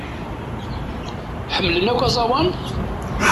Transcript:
Ḥemmlen akk aẓawan?